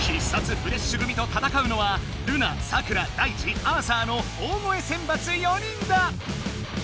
フレッシュ組と戦うのはルナサクラダイチアーサーの大声選抜４人だ！